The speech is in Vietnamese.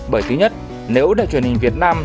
bởi thứ nhất nếu đài truyền hình việt nam